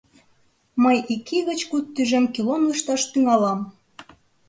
Мый ик ий гыч куд тӱжем килом лӱшташ тӱҥалам.